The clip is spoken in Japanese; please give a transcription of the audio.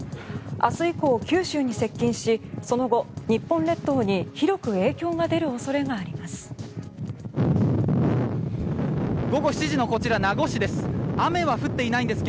明日以降、九州に接近しその後、日本列島に広く影響が出る恐れがあります。